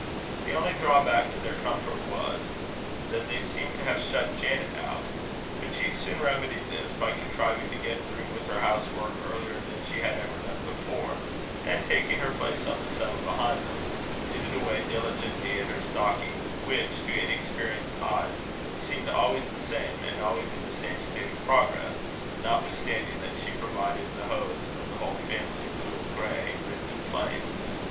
The only drawback to their comfort was, that they seemed to have shut Janet out; but she soon remedied this, by contriving to get through with her house work earlier than she had ever done before; and, taking her place on the settle behind them, knitted away diligently at her stocking, which, to inexperienced eyes, seemed always the same, and always in the same state of progress, notwithstanding that she provided the hose of the whole family, blue and grey, ribbed and plain.